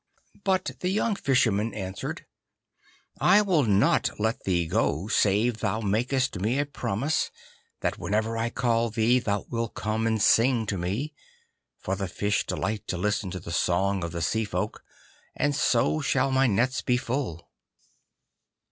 But the young Fisherman answered, 'I will not let thee go save thou makest me a promise that whenever I call thee, thou wilt come and sing to me, for the fish delight to listen to the song of the Sea folk, and so shall my nets be full.